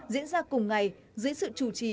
diễn ra cùng ngày dưới sự chủ trì